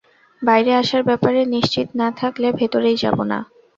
বাইরে আসার ব্যাপারে নিশ্চিত না থাকলে, ভেতরেই যাবো না।